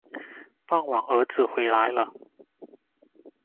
傍晚儿子回来了